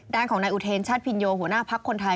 ด้านของนายอุเทนชาติพินโยหัวหน้าพักคนไทย